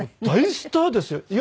大スターですよ。